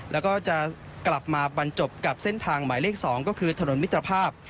แล้วก็จะกลับมาบรรจบกับเส้นทางหมายเลข๒ก็คือถนนมิตรภาพ